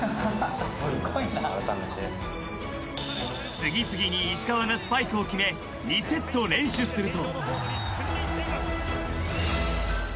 ［次々に石川がスパイクを決め２セット連取すると］